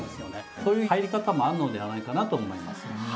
そういう入り方もあるのではないかなと思います。